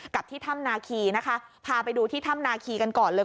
ที่ถ้ำนาคีนะคะพาไปดูที่ถ้ำนาคีกันก่อนเลย